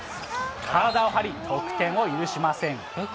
体を張り、得点を許しません。